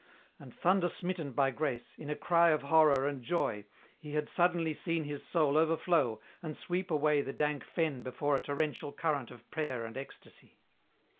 And thunder smitten by grace, in a cry of horror and joy, he had suddenly seen his soul overflow and sweep away the dank fen before a torrential current of prayer and ecstasy.